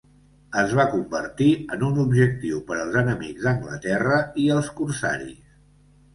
Es va convertir en un objectiu per als enemics d'Anglaterra, i els corsaris.